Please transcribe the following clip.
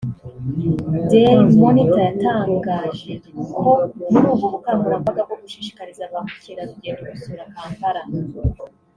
Dail monitor yatangaje ko muri ubu bukangarambaga bwo gushishikiriza ba mukerarugendo gusura Kampala